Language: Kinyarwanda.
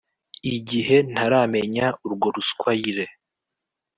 igihe ntaramenya urwo ruswayire